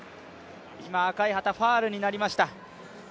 今、赤い旗、ファウルになりました。